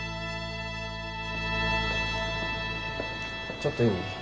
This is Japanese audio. ちょっといい？